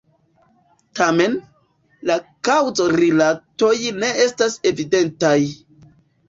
Tamen, la kaŭzorilatoj ne estas evidentaj.